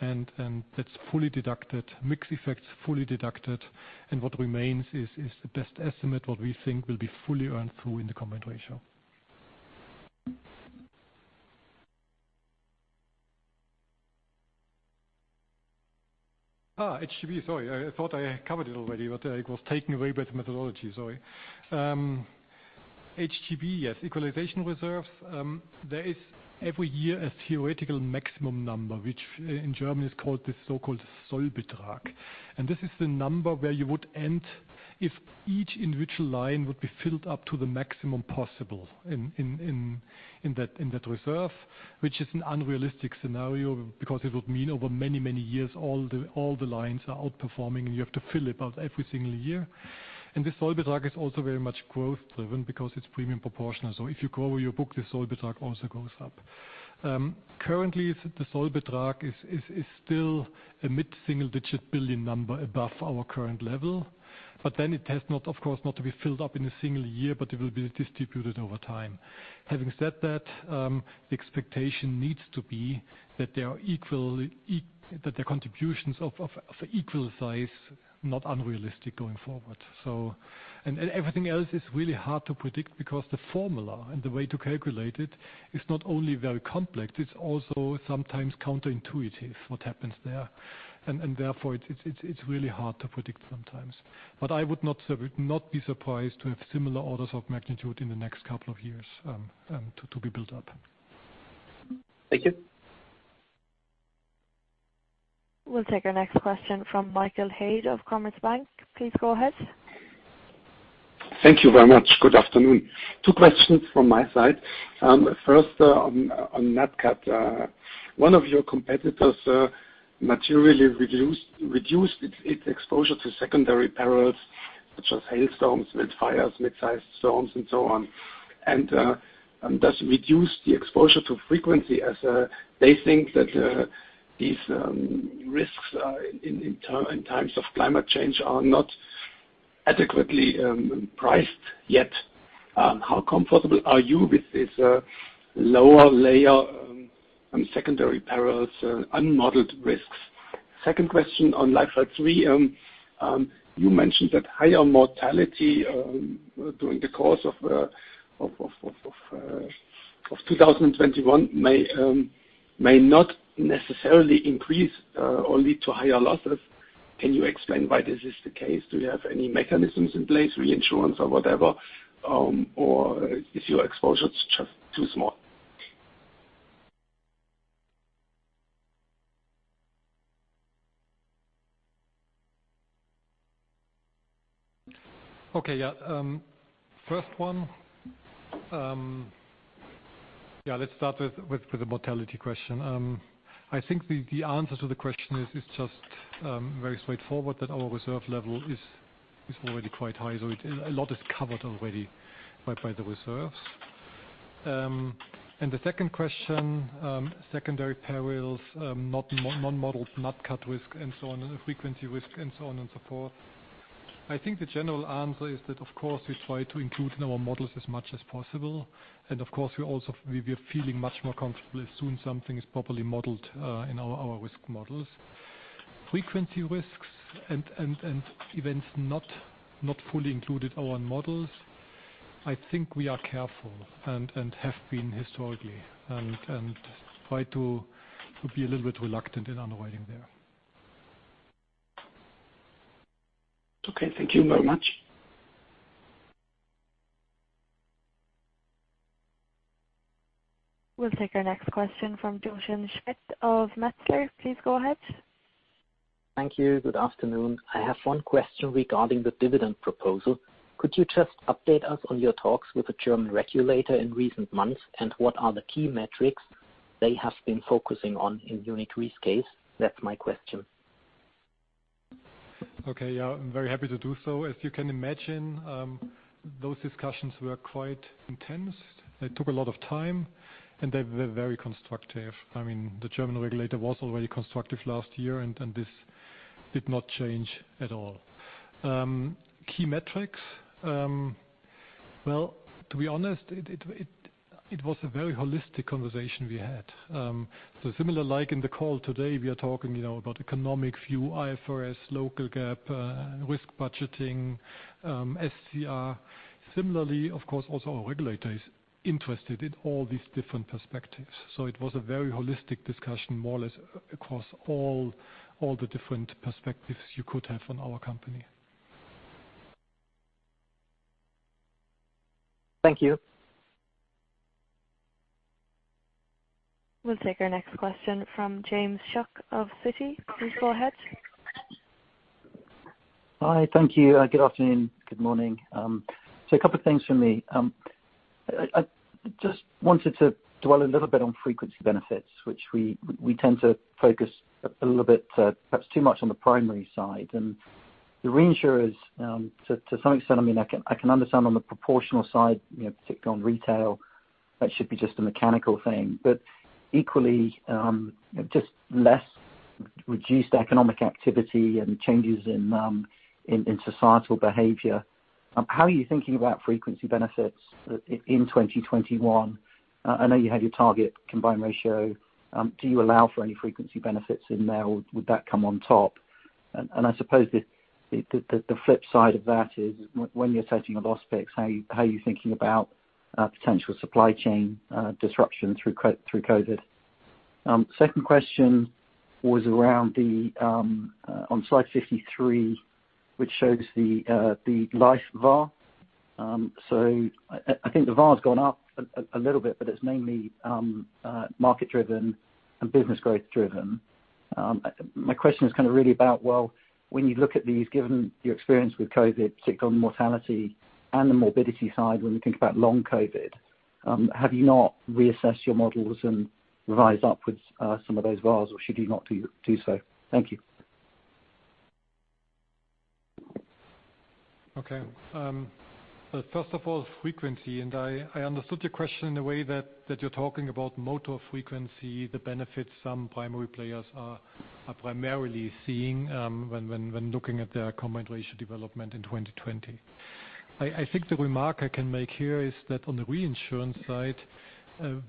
and that's fully deducted, mixed effects, fully deducted. What remains is the best estimate, what we think will be fully earned through in the combined ratio. HGB. Sorry, I thought I covered it already, but I was taken away by the methodology, sorry. HGB, yes, equalization reserve. There is every year a theoretical maximum number, which in German is called the so-called Sollbetrag. This is the number where you would end if each individual line would be filled up to the maximum possible in that reserve, which is an unrealistic scenario, because it would mean over many, many years, all the lines are outperforming, and you have to fill it out every single year. The Sollbetrag is also very much growth driven because it's premium proportional. If you grow your book, the Sollbetrag also goes up. Currently, the Sollbetrag is still a mid-single-digit billion number above our current level. Then it has, of course, not to be filled up in a single year, but it will be distributed over time. Having said that, the expectation needs to be that the contributions of equal size, not unrealistic going forward. Everything else is really hard to predict because the formula and the way to calculate it is not only very complex, it's also sometimes counterintuitive what happens there. Therefore, it's really hard to predict sometimes. I would not be surprised to have similar orders of magnitude in the next couple of years to be built up. Thank you. We'll take our next question from Michael Haid of Commerzbank. Please go ahead. Thank you very much. Good afternoon. Two questions from my side. First, on Nat Cat. One of your competitors materially reduced its exposure to secondary perils such as hailstorms, wildfires, mid-sized storms, and so on, and thus reduced the exposure to frequency as they think that these risks in times of climate change are not adequately priced yet. How comfortable are you with this lower layer on secondary perils, unmodeled risks? Second question on [Nat Cat] 3. You mentioned that higher mortality during the course of 2021 may not necessarily increase or lead to higher losses. Can you explain why this is the case? Do you have any mechanisms in place, reinsurance or whatever? Is your exposure just too small? First one. Let's start with the mortality question. I think the answer to the question is just very straightforward, that our reserve level is already quite high, a lot is covered already by the reserves. The second question, secondary perils, non-modeled Nat Cat risk and so on, and frequency risk and so on and so forth. I think the general answer is that, of course, we try to include in our models as much as possible. Of course, we are feeling much more comfortable as soon something is properly modeled in our risk models. Frequency risks and events not fully included in our models, I think we are careful and have been historically, and try to be a little bit reluctant in underwriting there. Okay. Thank you very much. We'll take our next question from Jochen Schmitt of Metzler. Please go ahead. Thank you. Good afternoon. I have one question regarding the dividend proposal. Could you just update us on your talks with the German regulator in recent months, and what are the key metrics they have been focusing on in Munich Re's case? That's my question. Okay. Yeah. I'm very happy to do so. As you can imagine, those discussions were quite intense. They took a lot of time and they were very constructive. The German regulator was already constructive last year. This did not change at all. Key metrics. Well, to be honest, it was a very holistic conversation we had. Similar, like in the call today, we are talking about economic view, IFRS, local GAAP, risk budgeting, SCR. Similarly, of course, also our regulator is interested in all these different perspectives. It was a very holistic discussion, more or less across all the different perspectives you could have on our company. Thank you. We'll take our next question from James Shuck of Citi. Please go ahead. Hi. Thank you. Good afternoon. Good morning. A couple of things from me. I just wanted to dwell a little bit on frequency benefits, which we tend to focus a little bit, perhaps too much on the primary side. The reinsurers, to some extent, I can understand on the proportional side, particularly on retail, that should be just a mechanical thing. Equally, just less economic activity and changes in societal behavior. How are you thinking about frequency benefits in 2021? I know you had your target combined ratio. Do you allow for any frequency benefits in there or would that come on top? I suppose the flip side of that is when you're setting loss picks, how are you thinking about potential supply chain disruption through COVID-19? Second question was on slide 53, which shows the life VaR. I think the VaR has gone up a little bit, but it's mainly market-driven and business growth driven. My question is really about, well, when you look at these, given your experience with COVID, particularly on the mortality and the morbidity side, when we think about long COVID, have you not reassessed your models and rise up with some of those VaRs or should you not do so? Thank you. Okay. First of all, frequency, and I understood your question in a way that you're talking about motor frequency, the benefits some primary players are primarily seeing when looking at their combined ratio development in 2020. I think the remark I can make here is that on the reinsurance side,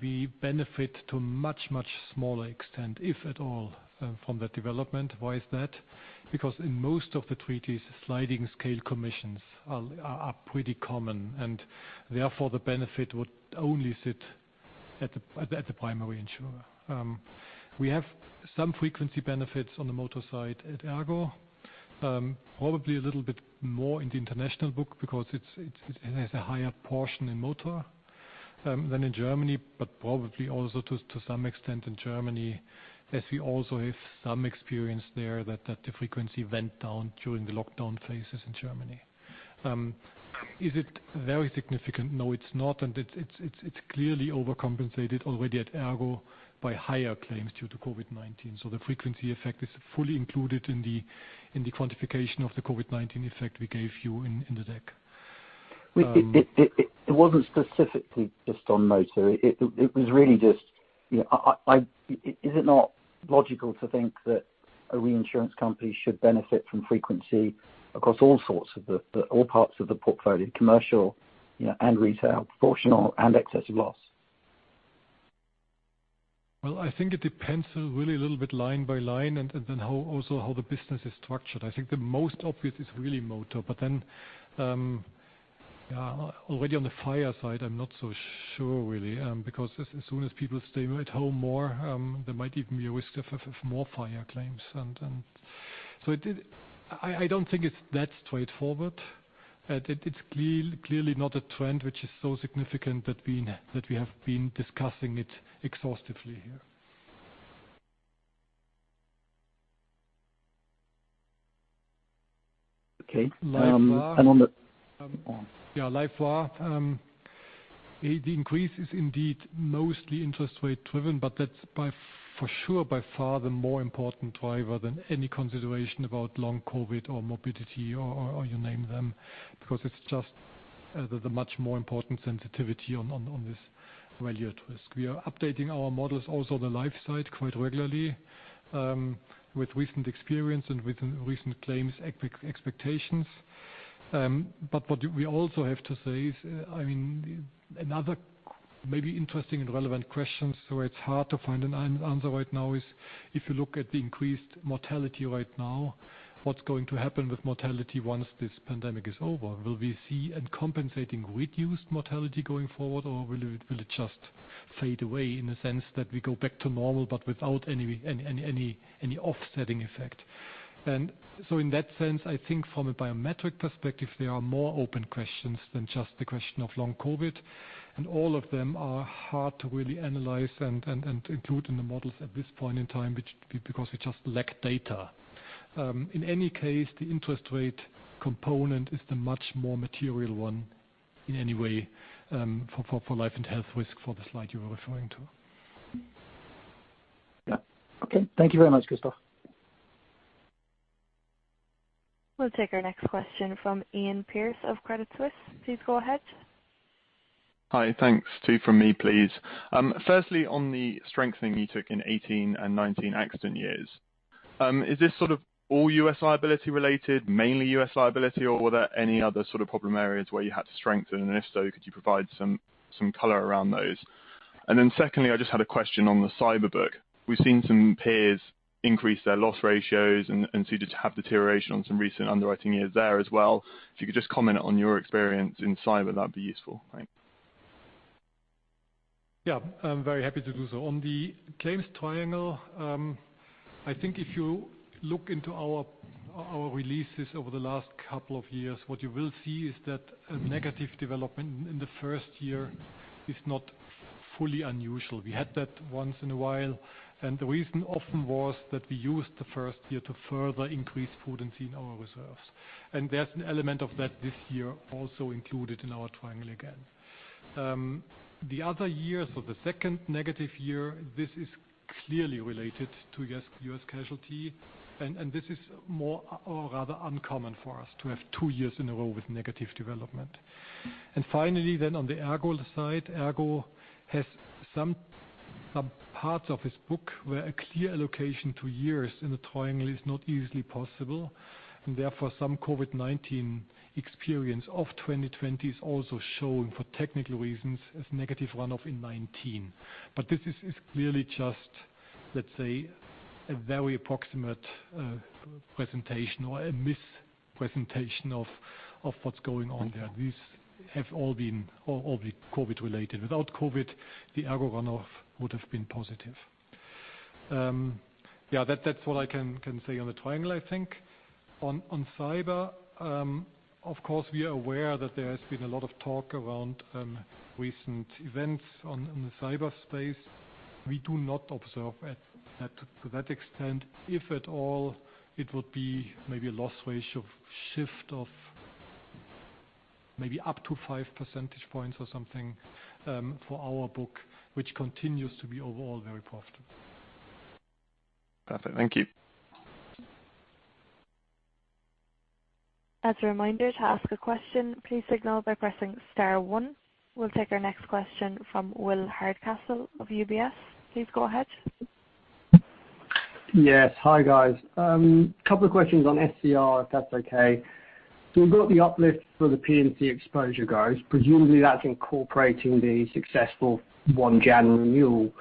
we benefit to a much, much smaller extent, if at all, from that development. Why is that? In most of the treaties, sliding scale commissions are pretty common, and therefore the benefit would only sit at the primary insurer. We have some frequency benefits on the motor side at ERGO. Probably a little bit more in the international book because it has a higher portion in motor than in Germany, but probably also to some extent in Germany, as we also have some experience there that the frequency went down during the lockdown phases in Germany. Is it very significant? No, it's not. It's clearly overcompensated already at ERGO by higher claims due to COVID-19. The frequency effect is fully included in the quantification of the COVID-19 effect we gave you in the deck. It wasn't specifically just on motor. Is it not logical to think that a reinsurance company should benefit from frequency across all parts of the portfolio, commercial and retail, proportional and excess of loss? I think it depends really a little bit line by line and then also how the business is structured. I think the most obvious is really motor. Already on the fire side, I'm not so sure, really. As soon as people stay at home more, there might even be a risk of more fire claims. I don't think it's that straightforward. It's clearly not a trend which is so significant that we have been discussing it exhaustively here. Okay. Life VaR. The increase is indeed mostly interest rate driven, but that's for sure by far the more important driver than any consideration about long COVID-19 or morbidity or you name them, because it's just the much more important sensitivity on this value at risk. We are updating our models also on the life side quite regularly, with recent experience and with recent claims expectations. What we also have to say is, another maybe interesting and relevant question, so it's hard to find an answer right now is, if you look at the increased mortality right now, what's going to happen with mortality once this pandemic is over? Will we see a compensating reduced mortality going forward, or will it just fade away in a sense that we go back to normal, but without any offsetting effect? In that sense, I think from a biometric perspective, there are more open questions than just the question of long COVID. All of them are hard to really analyze and include in the models at this point in time, because we just lack data. In any case, the interest rate component is the much more material one in any way, for Life and Health risk for the slide you were referring to. Okay. Thank you very much, Christoph. We'll take our next question from Iain Pearce of Credit Suisse. Please go ahead. Hi. Thanks. Two from me, please. On the strengthening you took in 2018 and 2019 accident years. Is this sort of all U.S. liability related, mainly U.S. liability, or were there any other sort of problem areas where you had to strengthen? If so, could you provide some color around those? Secondly, I just had a question on the cyber book. We've seen some peers increase their loss ratios and seem to have deterioration on some recent underwriting years there as well. If you could just comment on your experience in cyber, that'd be useful. Thanks. Yeah. I'm very happy to do so. On the claims triangle, I think if you look into our releases over the last couple of years, what you will see is that a negative development in the first year is not fully unusual. We had that once in a while, the reason often was that we used the first year to further increase solvency in our reserves. There's an element of that this year also included in our triangle again. The other year, so the second negative year, this is clearly related to U.S. casualty. This is more or rather uncommon for us to have two years in a row with negative development. On the ERGO side, ERGO has some parts of its book where a clear allocation to years in the triangle is not easily possible, and therefore some COVID-19 experience of 2020 is also shown for technical reasons as negative run-off in 2019. This is clearly just, let's say, a very approximate presentation or a mispresentation of what's going on there. These have all been COVID-related. Without COVID, the ERGO run-off would have been positive. That's what I can say on the triangle, I think. On cyber, of course, we are aware that there has been a lot of talk around recent events in the cyber space. We do not observe to that extent. If at all, it would be maybe a loss ratio shift of maybe up to 5 percentage points or something for our book, which continues to be overall very profitable. Perfect. Thank you. We'll take our next question from Will Hardcastle of UBS. Please go ahead. Yes. Hi, guys. Couple of questions on SCR, if that's okay. We got the uplift for the P&C exposure growth. Presumably, that's incorporating the successful 1 Jan renewal.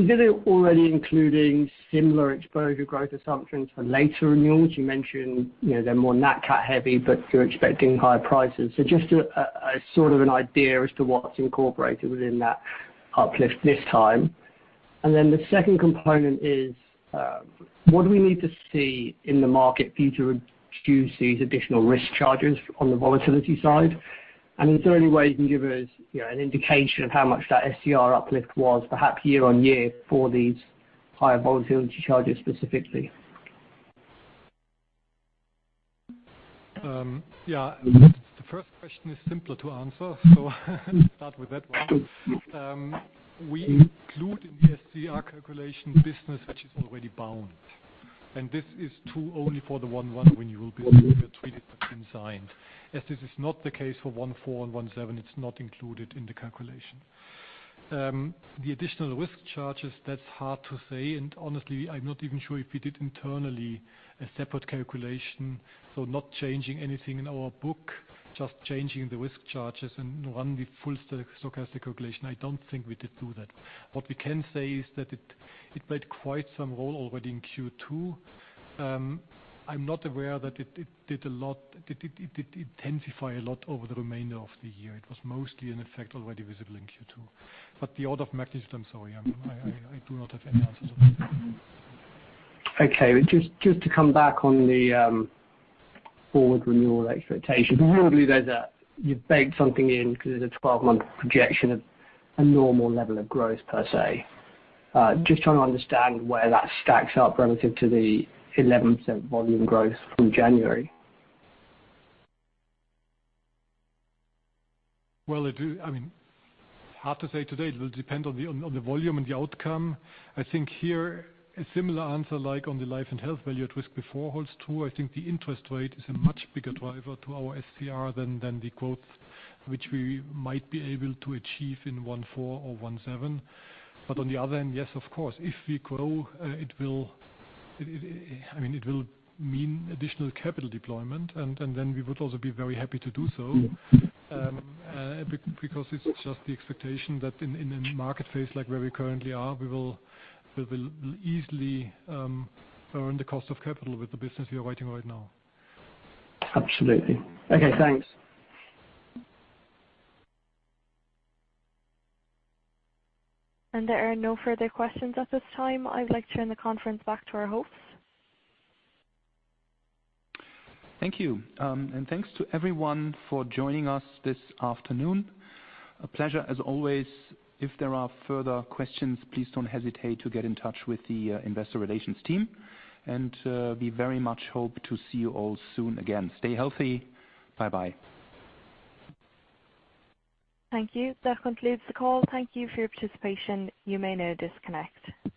Is it already including similar exposure growth assumptions for later renewals? You mentioned, they're more Nat Cat heavy, but you're expecting higher prices. Just a sort of an idea as to what's incorporated within that uplift this time. The second component is, what do we need to see in the market for you to reduce these additional risk charges on the volatility side? Is there any way you can give us an indication of how much that SCR uplift was, perhaps year-on-year for these higher volatility charges specifically? The first question is simpler to answer, let's start with that one. We include in the SCR calculation business, which is already bound. This is true only for the 1/1 renewal business, if you have treaties but been signed. As this is not the case for 1/4 and 1/7, it's not included in the calculation. The additional risk charges, that's hard to say. Honestly, I'm not even sure if we did internally a separate calculation. Not changing anything in our book, just changing the risk charges and run the full stochastic calculation. I don't think we did do that. What we can say is that it made quite some role already in Q2. I'm not aware that it did intensify a lot over the remainder of the year. It was mostly in effect already visible in Q2. The order of magnitude, I'm sorry, I do not have any answers on that. Okay. Just to come back on the forward renewal expectation. Presumably, you've baked something in because there's a 12-month projection of a normal level of growth per se. Just trying to understand where that stacks up relative to the 11% volume growth from January? Well, it's hard to say today. It will depend on the volume and the outcome. I think here, a similar answer like on the Life and Health VaR before holds true. I think the interest rate is a much bigger driver to our SCR than the quotes which we might be able to achieve in 1/4 or 1/7. On the other hand, yes, of course, if we grow, it will mean additional capital deployment, and then we would also be very happy to do so. It's just the expectation that in a market phase like where we currently are, we will easily earn the cost of capital with the business we are writing right now. Absolutely. Okay, thanks. There are no further questions at this time. I would like to turn the conference back to our hosts. Thank you. Thanks to everyone for joining us this afternoon. A pleasure as always. If there are further questions, please don't hesitate to get in touch with the investor relations team. We very much hope to see you all soon again. Stay healthy. Bye-bye. Thank you. That concludes the call. Thank you for your participation. You may now disconnect.